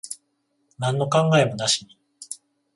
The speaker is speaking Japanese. なんの考えもなしに。